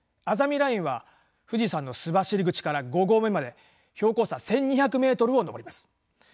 あざみラインは富士山の須走口から５合目まで標高差１，２００メートルを上ります。